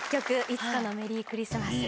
『いつかのメリークリスマス』。